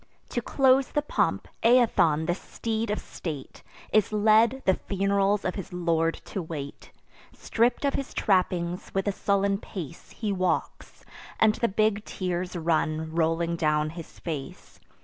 To close the pomp, Aethon, the steed of state, Is led, the fun'rals of his lord to wait. Stripp'd of his trappings, with a sullen pace He walks; and the big tears run rolling down his face.